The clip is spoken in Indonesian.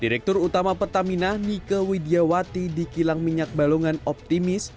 direktur utama pertamina nike widjawati di kilang minyak balongan optimis